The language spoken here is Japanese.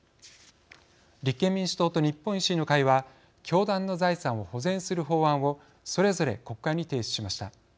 立憲民主党と日本維新の会は教団の財産を保全する法案をそれぞれ国会に提出しました。